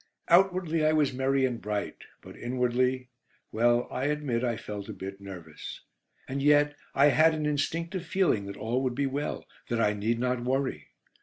Outwardly I was merry and bright, but inwardly well, I admit I felt a bit nervous. And yet, I had an instinctive feeling that all would be well, that I need not worry.